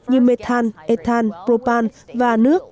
như mê than ethan propane và nước